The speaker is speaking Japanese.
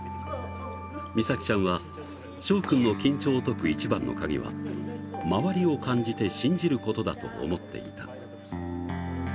みさきちゃんはしょう君の緊張を解く一番の鍵は周りを感じて信じることだと思っていた。